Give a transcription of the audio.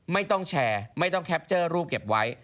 ไม่ต้องแชร์ไม่ต้องแคปเจอร์รูปเก็บไว้